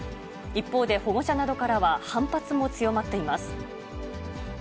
一方で、保護者などからは反発も強まっています。